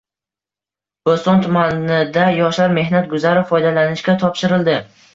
Bo‘ston tumanida «Yoshlar mehnat guzari» foydalanishga topshirildi